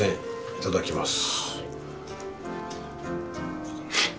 いただきます。